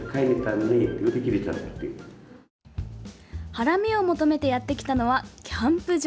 ハラミを求めてやってきたのはキャンプ場。